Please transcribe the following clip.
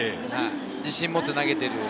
自信を持って投げている。